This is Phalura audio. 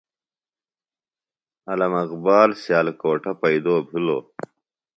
علامہ اقبال سیالکوٹہ پیئدو بِھلوۡ۔